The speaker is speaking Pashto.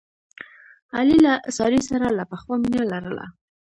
علي له سارې سره له پخوا مینه لرله.